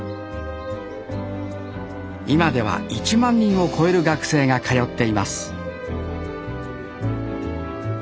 今では１万人を超える学生が通っています